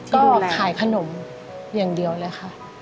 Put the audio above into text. ก็ขายขนมอย่างเดียวเลยค่ะ